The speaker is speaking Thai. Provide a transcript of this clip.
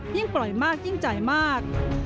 ยิ่งปล่อยมากยิ่งใจมาก